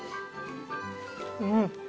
うん。